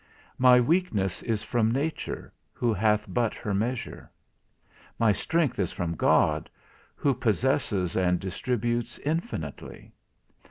My weakness is from nature, who hath but her measure; my strength is from God, who possesses and distributes infinitely.